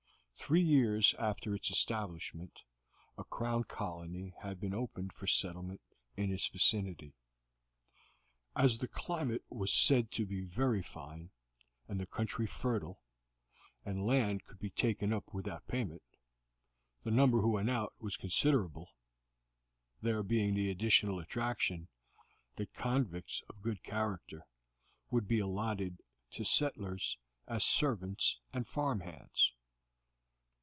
Three years after its establishment a Crown colony had been opened for settlement in its vicinity. As the climate was said to be very fine and the country fertile, and land could be taken up without payment, the number who went out was considerable, there being the additional attraction that convicts of good character would be allotted to settlers as servants and farm hands.